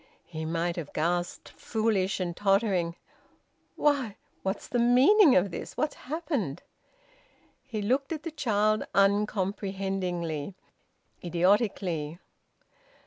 He might have gasped, foolish and tottering: "Why what's the meaning of this? What's happened?" He looked at the child uncomprehendingly, idiotically.